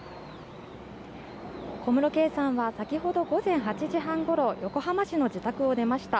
小室圭さんは先ほど午前８時半ごろ横浜市の自宅を出ました。